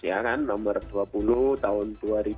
ya kan nomor dua puluh tahun dua ribu dua